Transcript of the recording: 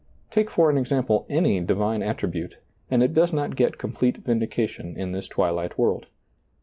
Take for an ex ample any divine attribute, and it does not get complete vindication in this twilight world.